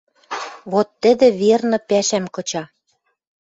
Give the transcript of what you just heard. Вот тӹдӹ, верны, пӓшӓм кыча